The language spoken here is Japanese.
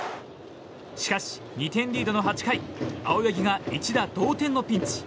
しかし、２点リードの８回青柳が一打同点のピンチ。